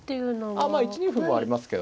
ああまあ１二歩もありますけどね。